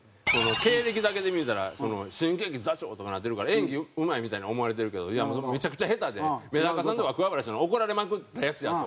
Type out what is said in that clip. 経歴だけで見たら「新喜劇座長」とかになってるから演技うまいみたいに思われてるけどいやめちゃくちゃ下手でめだかさんとか桑原師匠に怒られまくったヤツやと。